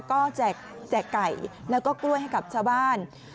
ก็แจกไก่แล้วก็กล้วยให้กับชาวบ้าน